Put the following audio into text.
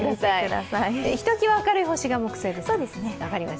ひときわ明るい星が木星ですね。